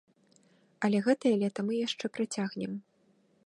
Але гэтае лета мы яшчэ працягнем.